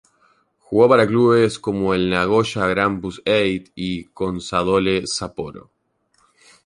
Jugó para clubes como el Nagoya Grampus Eight y Consadole Sapporo.